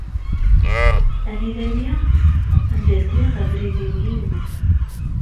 Anida lliɣ anda ddiɣ abrid-iw yiwen.